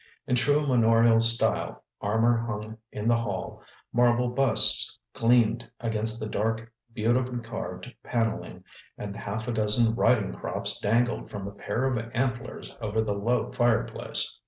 In true manorial style, armor hung in the hall, marble busts gleamed against the dark, beautifully carved panelling, and half a dozen riding crops dangled from a pair of antlers over the low fireplace.